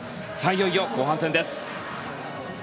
いよいよ後半戦です。